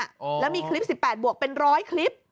โอ้โหแล้วมีคลิป๑๘บวกเป็นร้อยคลิป